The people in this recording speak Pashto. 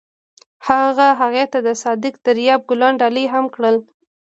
هغه هغې ته د صادق دریاب ګلان ډالۍ هم کړل.